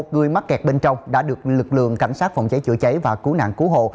một người mắc kẹt bên trong đã được lực lượng cảnh sát phòng cháy chữa cháy và cứu nạn cứu hộ